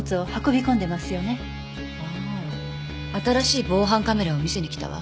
ああ新しい防犯カメラを見せに来たわ。